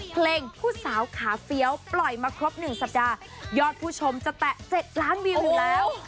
เพลงผู้สาวขาเฟี้ยวปล่อยมาครบ๑สัปดาห์ยอดผู้ชมจะแตะ๗ล้านวิวอยู่แล้ว